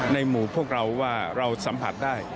ในหมู่พวกเราว่าเราสัมผัสได้